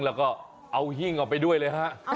แล้วก็เอาหิ้งออกไปด้วยเลยฮะ